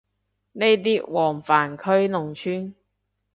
呢啲黃泛區農村